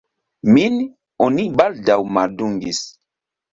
Min oni baldaŭ maldungis.